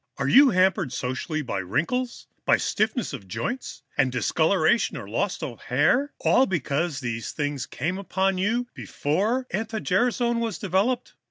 Are you hampered socially by wrinkles, by stiffness of joints and discoloration or loss of hair, all because these things came upon you before anti gerasone was developed?